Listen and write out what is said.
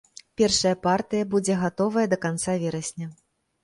Першая партыя будзе гатовая да канца верасня.